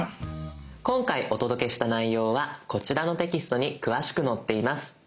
今回お届けした内容はこちらのテキストに詳しく載っています。